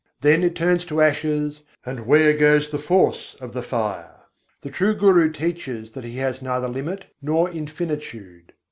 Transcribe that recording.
Then it turns to ashes, and where goes the force of the fire? The true guru teaches that He has neither limit nor infinitude.